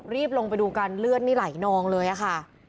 รีบลงไปดูกันเลือดนี่ไหลนองเลยค่ะ